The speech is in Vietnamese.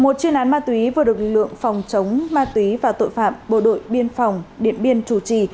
một chuyên án ma túy vừa được lực lượng phòng chống ma túy và tội phạm bộ đội biên phòng điện biên chủ trì